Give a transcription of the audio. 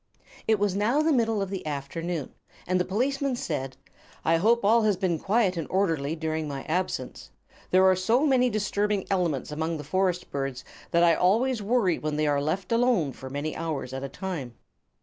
It was now the middle of the afternoon, and the policeman said: "I hope all has been quiet and orderly during my absence. There are so many disturbing elements among the forest birds that I always worry when they are left alone for many hours at a time."